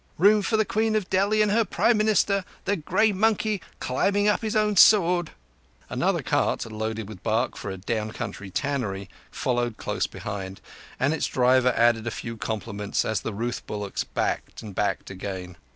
"Room for the Queen of Delhi and her Prime Minister the grey monkey climbing up his own sword!" Another cart loaded with bark for a down country tannery followed close behind, and its driver added a few compliments as the ruth bullocks backed and backed again.